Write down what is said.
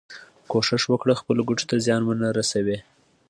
کوښښ وکړه خپلو ګټو ته زیان ونه رسوې.